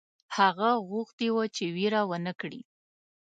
هغه غوښتي وه چې وېره ونه کړي.